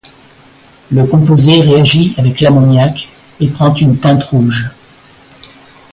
Le composé réagit avec l'ammoniaque et prend une teinte rouge.